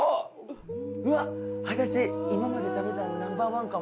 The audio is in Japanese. うわっ私今まで食べたのでナンバーワンかも。